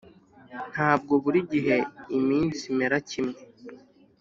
ntabwo buri gihe iminsi imera kimwe.